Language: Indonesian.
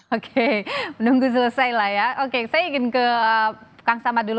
oke menunggu selesai lah ya oke saya ingin ke kang samad dulu